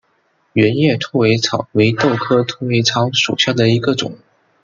圆叶兔尾草为豆科兔尾草属下的一个种。